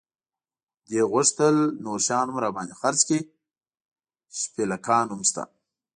دې غوښتل نور شیان هم را باندې خرڅ کړي، شپلېکان هم شته.